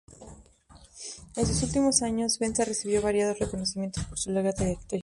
En sus últimos años, Bence recibió variados reconocimientos por su larga trayectoria.